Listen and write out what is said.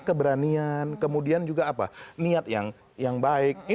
keberanian kemudian juga niat yang baik